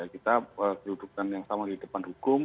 kita kedudukan yang sama di depan hukum